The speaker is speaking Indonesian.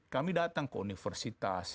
kami datang ke universitas